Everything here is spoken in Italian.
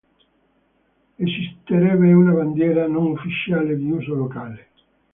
Esisterebbe una bandiera non ufficiale di uso locale.